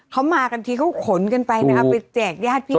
เขามากันทีเขาขนกันไปนะครับไปแจกญาติพี่